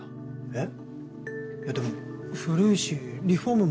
えっ？